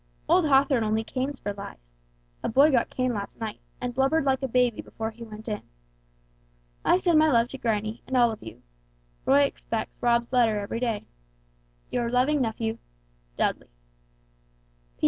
Old Hawthorn only canes for lies. A boy got caned last night, and blubbered like a baby before he went in. I send my love to granny, and all of you. Roy expects Rob's letter every day. "Your loving nephew "DUDLEY.